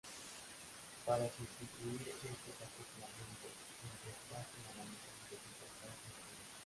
Para sustituir estos acoplamientos la interfaz inalámbrica necesita estar sin comprimir.